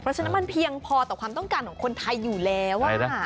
เพราะฉะนั้นมันเพียงพอต่อความต้องการของคนไทยอยู่แล้ว